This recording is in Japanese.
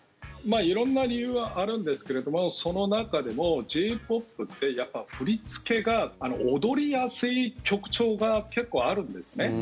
色んな理由はあるんですけれどもその中でも、Ｊ−ＰＯＰってやっぱり振り付けが踊りやすい曲調が結構あるんですね。